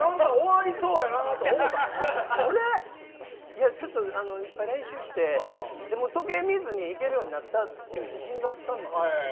いやちょっといっぱい練習して時計見ずにいけるようになったっていう自信があったんですよ。